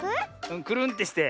くるんってして。